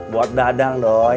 buat dadang doi